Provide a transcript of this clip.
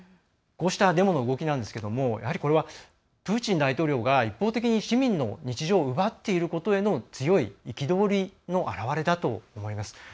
こうしたデモの動きなんですがやはりこれはプーチン大統領が一方的に市民の日常を奪っていることへの強い憤りの表れだと思います。